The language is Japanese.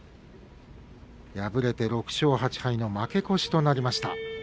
敗れて６勝８敗の負け越しとなりました。